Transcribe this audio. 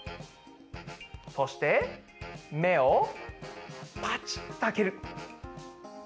そしてめをパチッとあける。